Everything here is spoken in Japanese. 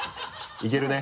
いけるね？